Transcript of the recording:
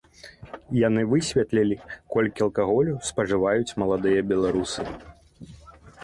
Яны высвятлялі, колькі алкаголю спажываюць маладыя беларусы.